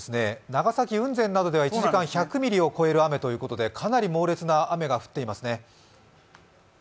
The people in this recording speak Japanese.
長崎・雲仙などでは１時間に１００ミリを超える雨ということでかなり猛烈な雨が降っていますね。